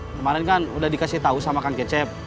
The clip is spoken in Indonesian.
kemarin kan udah dikasih tahu sama kang kecep